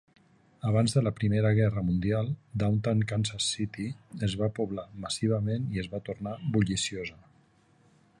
Abans de la Primera Guerra Mundial, Downtown Kansas City es va poblar massivament i es va tornar bulliciosa.